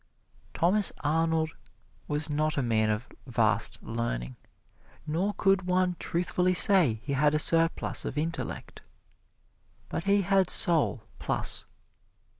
Thomas Arnold was not a man of vast learning, nor could one truthfully say he had a surplus of intellect; but he had soul, plus.